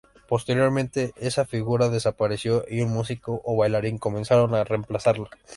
Posteriormente esa figura desapareció y un músico o bailarín comenzaron a reemplazarlo.